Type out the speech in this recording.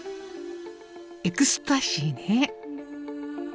エクスタシーね。